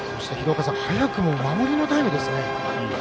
早くも守りのタイムです。